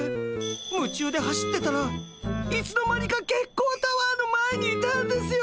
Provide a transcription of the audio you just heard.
夢中で走ってたらいつの間にか月光タワーの前にいたんですよ！